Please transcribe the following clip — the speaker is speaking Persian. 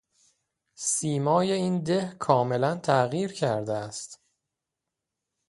سیمای این ده کاملاً تغییر کرده است.